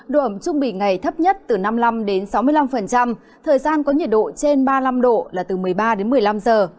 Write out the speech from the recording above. độ ẩm chuẩn bị ngày thấp nhất từ năm mươi năm sáu mươi năm thời gian có nhiệt độ trên ba mươi năm độ là từ một mươi ba một mươi năm giờ